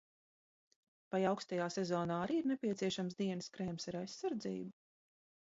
Vai aukstajā sezonā arī ir nepieciešams dienas krēms ar aizsardzību?